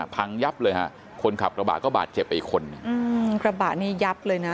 พังยับเลยฮะคนขับกระบะก็บาดเจ็บไปอีกคนหนึ่งอืมกระบะนี้ยับเลยนะ